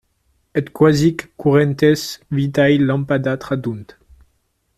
Et quasi currentes vitaï lampada tradunt.